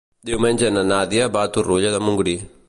Diumenge na Nàdia va a Torroella de Montgrí.